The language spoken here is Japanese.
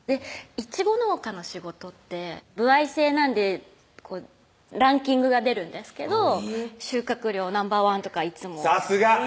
いちご農家の仕事って歩合制なんでランキングが出るんですけど収穫量ナンバーワンとかいつもさすが！